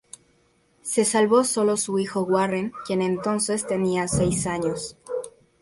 Se salvó solo su hijo Warren, quien entonces tenía seis años.